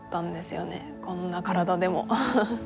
こんな体でも。